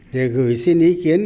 để gửi xin ý kiến